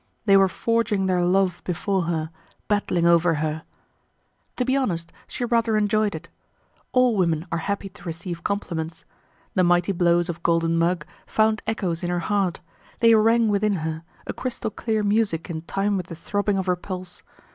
They were forging their love before her, battling over her. To be honest, she rather enjoyed it. All women are happy to receive compliments. The mighty blows of Golden Mug found echoes in her heart; they rang within her, a crystal clear music in time with the throbbing of her pulse.